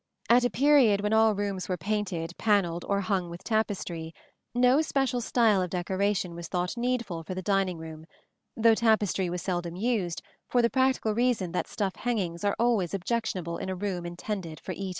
At a period when all rooms were painted, panelled, or hung with tapestry, no special style of decoration was thought needful for the dining room; though tapestry was seldom used, for the practical reason that stuff hangings are always objectionable in a room intended for eating.